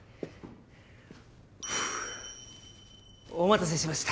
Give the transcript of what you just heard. ふぅお待たせしました。